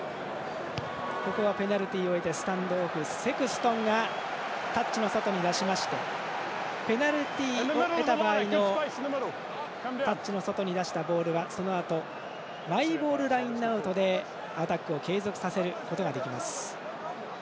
ここはペナルティを得てスタンドオフ、セクストンがタッチの外に出しましてペナルティを得た場合のタッチの外に出したボールはそのあとマイボールラインアウトでアタックを継続させることができます。